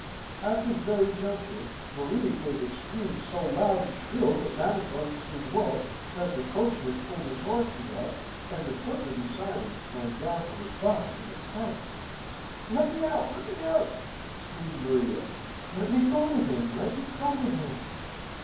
At this very juncture, Maria gave a scream so loud and shrill that Madame Bernstein woke, that the coachman pulled his horses up, and the footman beside him sprang down from his box in a panic. "Let me out! let me out!" screamed Maria. "Let me go to him! let me go to him!"